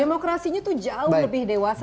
demokrasinya itu jauh lebih dewasa